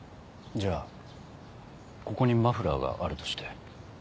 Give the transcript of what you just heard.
じゃあここにマフラーがあるとして。